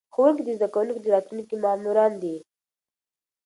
ښوونکي د زده کوونکو د راتلونکي معماران دي.